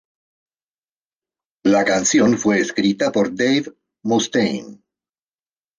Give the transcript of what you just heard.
La canción fue escrita por Dave Mustaine.